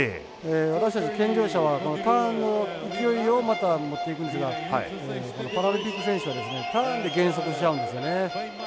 私たち健常者はターンの勢いをまた持っていくんですがパラリンピック選手はターンで減速しちゃうんですよね。